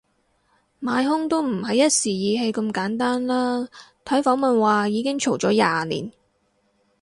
買兇都唔係一時意氣咁簡單啦，睇訪問話已經嘈咗廿年